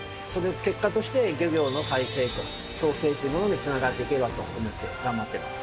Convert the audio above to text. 結果として漁業の再生と創生というものに繋がっていけばと思って頑張っています。